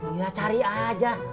ya cari aja